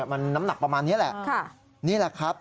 มันน้ำหนักประมาณนี้แหละนี่แหละครับ